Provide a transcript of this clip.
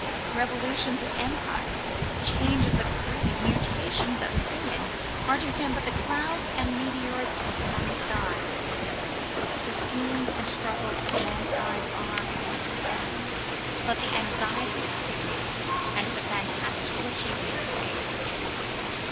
Revolutions of empire, changes of creed, mutations of opinion, are to him but the clouds and meteors of a stormy sky. The schemes and struggles of mankind are, in his thinking, but the anxieties of pigmies and the fantastical achievements of apes.